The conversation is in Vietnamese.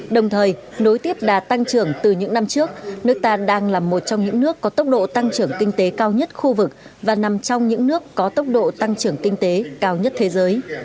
đồng thời nối tiếp đà tăng trưởng từ những năm trước nước ta đang là một trong những nước có tốc độ tăng trưởng kinh tế cao nhất khu vực và nằm trong những nước có tốc độ tăng trưởng kinh tế cao nhất thế giới